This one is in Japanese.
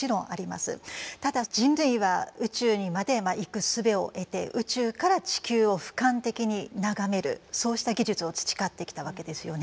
ただ人類は宇宙にまで行くすべを得て宇宙から地球をふかん的に眺めるそうした技術を培ってきたわけですよね。